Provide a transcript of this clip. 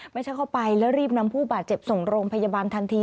เข้าไปแล้วรีบนำผู้บาดเจ็บส่งโรงพยาบาลทันที